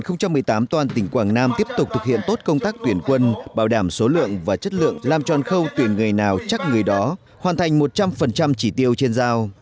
năm hai nghìn một mươi tám toàn tỉnh quảng nam tiếp tục thực hiện tốt công tác tuyển quân bảo đảm số lượng và chất lượng làm tròn khâu tuyển người nào chắc người đó hoàn thành một trăm linh chỉ tiêu trên giao